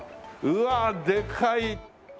うわあでかい。